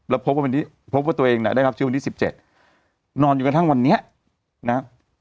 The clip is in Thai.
แล้วพบว่าพบว่าตัวเองน่ะได้รับเชื้อวันที่สิบเจ็ดนอนอยู่กันทั้งวันเนี้ยนะ